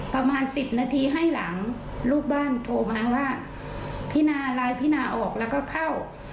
ประมาณ๑๐นาทีให้หลังลูกบ้านโทรมาว่าพินาไลน์พี่นาออกแล้วก็เข้า